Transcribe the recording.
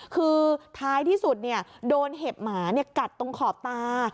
คือท้ายที่สุดโดนเห็บหมากัดตรงขอบตา